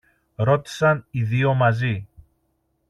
ρώτησαν οι δυο μαζί.